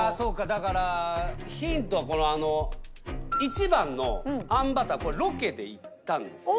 だからヒントはこの１番のあんバターこれロケで行ったんですよ。